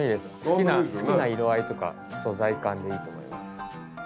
好きな色合いとか素材感でいいと思います。